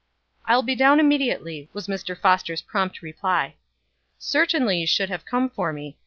"I will be down immediately," was Mr. Foster's prompt reply. "Certainly you should have come for me.